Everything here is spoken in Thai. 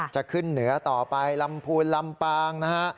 จะขึ้นเหนือต่อไปลำพูนลำปางนะฮะ